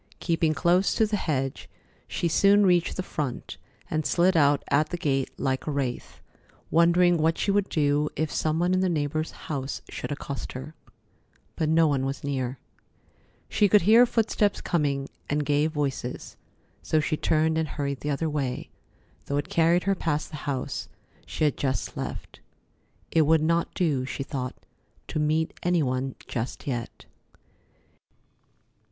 Keeping close to the hedge, she soon reached the front, and slid out at the gate like a wraith, wondering what she would do if some one in the neighbor's house should accost her. But no one was near. She could hear footsteps coming, and gay voices, so she turned and hurried the other way, though it carried her past the house she had just left. It would not do, she thought, to meet any one just yet.